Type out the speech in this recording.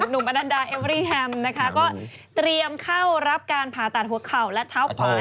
นอนันดาเอเวอรี่แฮมนะคะก็เตรียมเข้ารับการผ่าตัดหัวเข่าและเท้าขวา